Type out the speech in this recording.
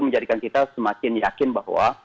menjadikan kita semakin yakin bahwa